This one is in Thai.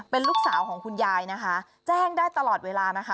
เป็นลูกสาวของคุณยายนะคะแจ้งได้ตลอดเวลานะคะ